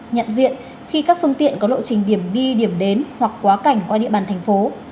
nhận diện khi các phương tiện có lộ trình điểm đi điểm đến hoặc quá cảnh qua địa bàn thành phố